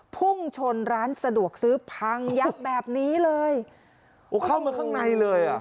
พุ่งชนร้านสะดวกซื้อพังยับแบบนี้เลยโอ้เข้ามาข้างในเลยอ่ะ